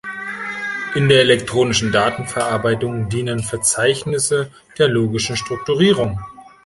In der elektronischen Datenverarbeitung dienen Verzeichnisse der logischen Strukturierung.